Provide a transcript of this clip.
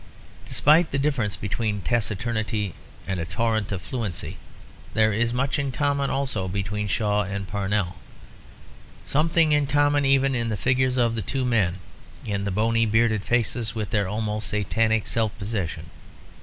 Despite the difference between taciturnity and a torrent of fluency there is much in common also between Shaw and Parnell; something in common even in the figures of the two men, in the bony bearded faces with their almost Satanic self possession.